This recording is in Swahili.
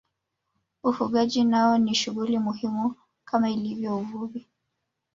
Ufugaji nao ni shughuli muhimu kama ilivyo uvuvi